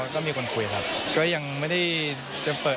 ก็มีคนคุยก็โอเค